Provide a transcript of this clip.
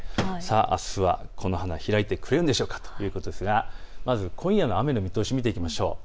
あすはこの花、開いてくれるんでしょうか、ということで今夜の雨の見通しを見ていきましょう。